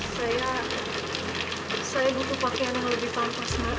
saya butuh pakaian yang lebih tampas mbak